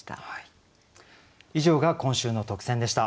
以上が今週の特選でした。